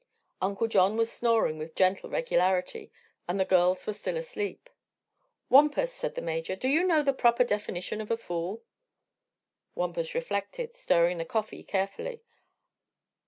Uncle John was snoring with gentle regularity and the girls were still asleep. "Wampus," said the Major, "do you know the proper definition of a fool?" Wampus reflected, stirring the coffee carefully.